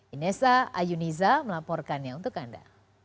inessa ayuniza melaporkannya untuk anda